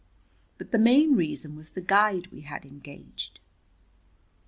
But the main reason was the guide we had engaged.